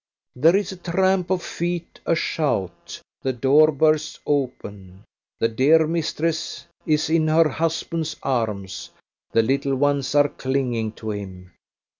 There is a tramp of feet, a shout, the door bursts open the dear mistress is in her husband's arms the little ones are clinging to him.